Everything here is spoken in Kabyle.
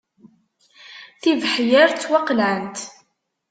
Tibeḥyar ttwaqelɛent.